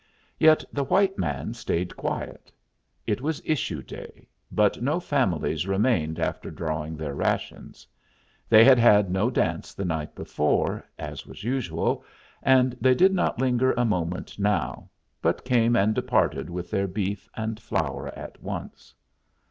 Yet the white man stayed quiet. It was issue day, but no families remained after drawing their rations. They had had no dance the night before, as was usual, and they did not linger a moment now, but came and departed with their beef and flour at once.